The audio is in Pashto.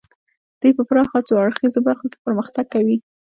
دوی په پراخه څو اړخیزو برخو کې پرمختګ کوي